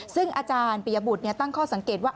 ซึ่งอาจารย์ปิยบุตรตั้งข้อสังเกตว่า